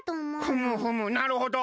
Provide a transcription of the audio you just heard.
ふむふむなるほど。